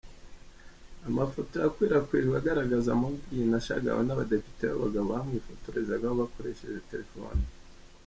Amafoto yakwirakwijwe agaragaza Mogherini ashagawe n’abadepite b’abagabo bamwifotorezaho bakoresheje telefone.